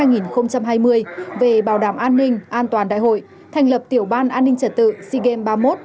năm hai nghìn hai mươi về bảo đảm an ninh an toàn đại hội thành lập tiểu ban an ninh trả tự sigem ba mươi một